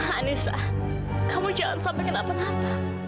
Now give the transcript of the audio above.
anissa kamu jangan sampai kenapa napa